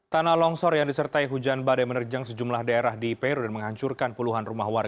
tanah longsor yang disertai hujan badai menerjang sejumlah daerah di peru dan menghancurkan puluhan rumah warga